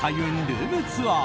ルームツアー！